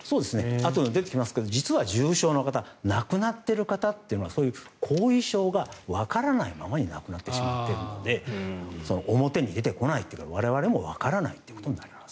あとで出てきますが実は重症の方亡くなっている方というのはそういう後遺症がわからないままに亡くなってしまっているので表に出てこないというか我々もわからないということになります。